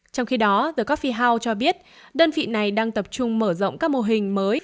trong khi đó the coffee house cho biết đơn vị này đang tập trung mở rộng các mô hình mới